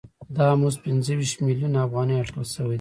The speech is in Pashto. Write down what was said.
دا مزد پنځه ویشت میلیونه افغانۍ اټکل شوی دی